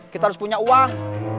kita harus punya uang